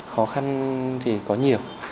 khó khăn thì có nhiều